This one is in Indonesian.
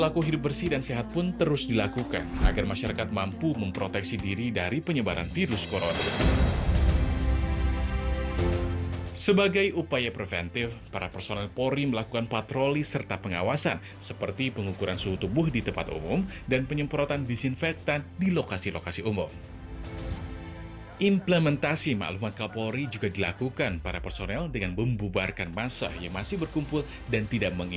korps bayangkara juga diperlukan dalam mensosialisasi kebijakan pemerintah dalam penanganan pandemi covid sembilan belas ini